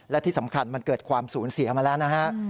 และที่สำคัญมันเกิดความสูญเสียมาแล้วนะฮะ